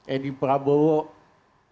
edi prabowo ada potensi